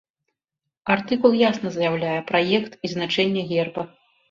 Артыкул ясна заяўляе праект і значэнне герба.